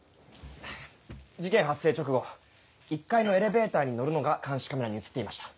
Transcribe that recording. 事件発生直後１階のエレベーターに乗るのが監視カメラに写っていました。